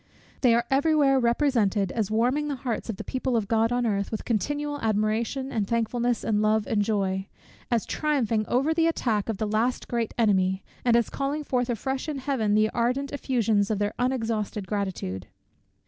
They are every where represented as warming the hearts of the people of God on earth with continual admiration, and thankfulness, and love, and joy; as triumphing over the attack of the last great enemy, and as calling forth afresh in Heaven the ardent effusions of their unexhausted gratitude.